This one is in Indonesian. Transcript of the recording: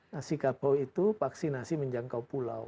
nasi kabau itu vaksinasi menjangkau pulau